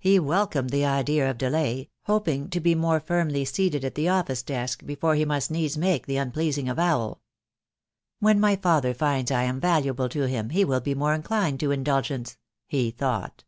He welcomed the idea of delay, hoping to be more firmly seated at the office desk before he must needs make the unpleasing avowal. "When my father finds I am valuable to him he will be more inclined to indulgence," he thought.